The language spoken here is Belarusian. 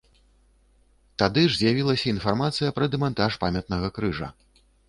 Тады ж з'явілася інфармацыя пра дэмантаж памятнага крыжа.